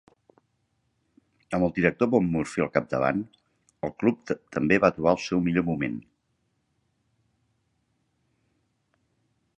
Amb el director Bob Murphy al capdavant, el club també va trobar el seu millor moment.